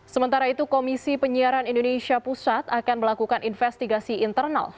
sementara itu komisi penyiaran indonesia pusat akan melakukan investigasi internal